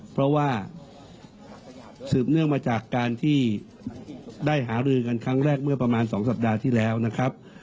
เพราะว่าสืบเนื่องมาจากการที่ได้หารือกันครั้งแรกเมื่อประมาณ๒สัปดาห์ที่แล้วนะครับ